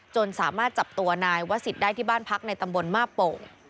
จนสามารถจับตัวนายว่าสิทธิ์ได้ที่บ้านพักในตำบลมาปลง